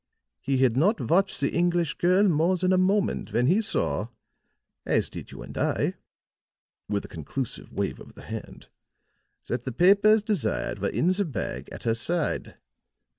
He had not watched the English girl more than a moment when he saw as did you and I," with a conclusive wave of the hand, "that the papers desired were in the bag at her side.